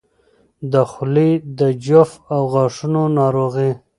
د خولې د جوف او غاښونو ناروغۍ